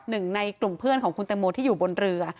หนึ่งในกลุ่มเพื่อนของคุณตังโมที่อยู่บนเรือ